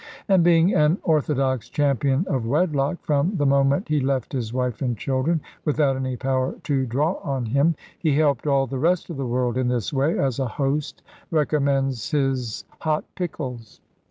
And being an orthodox champion of wedlock (from the moment he left his wife and children, without any power to draw on him), he helped all the rest of the world in this way, as a host recommends his hot pickles.